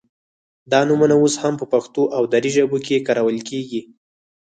دا نومونه اوس هم په پښتو او دري ژبو کې کارول کیږي